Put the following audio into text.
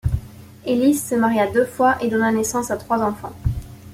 Elis se maria deux fois et donna naissance à trois enfants.